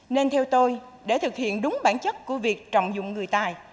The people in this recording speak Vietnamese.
nên theo tôi để thực hiện đúng bản chất của việc trọng dụng người tài